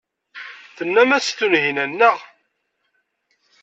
Tennam-as i Tunhinan, naɣ?